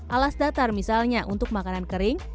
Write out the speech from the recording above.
alas datar misalnya untuk makanan kering